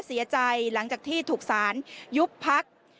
เสียใจหลังจากที่ถูกสรรยุบพรรค